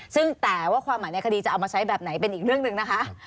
ซึ่งแต่ว่าความหมายในคดีจะเอามาใช้แบบไหนเป็นอีกเรื่องหนึ่งนะคะ